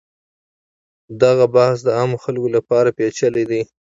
دغه بحث د عامو خلکو لپاره پیچلی دی.